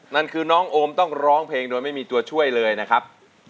นั่นคือน้องโอมต้องร้องเพลงโดยไม่มีตัวช่วยเลยนะครับ